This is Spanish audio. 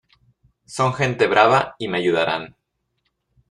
son gente brava y me ayudarán...